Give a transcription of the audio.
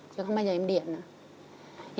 chứ không bao giờ em điện nữa